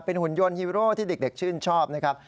หุ่นยนฮีโร่ที่เด็กชื่นชอบนะครับ